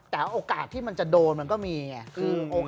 แต่โอกาสที่มันจะโดนมันก็มีไง